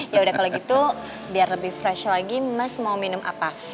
ya udah kalau gitu biar lebih fresh lagi mas mau minum apa